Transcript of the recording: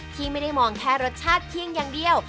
ที่ไม่ได้มองแค่รสชาติเพียงอย่างเดียว